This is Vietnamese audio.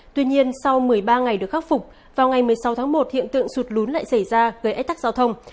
tuy nhiên sau một mươi ba ngày được khắc phục vào ngày một mươi sáu tháng một hiện tượng sụt lún lại xảy ra gây ách tắc giao thông